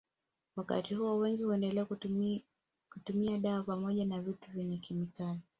Wakati huo wengi huendelea kutumia dawa pamoja na vitu vyenye kemikali